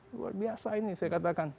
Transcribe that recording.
luar biasa ini saya katakan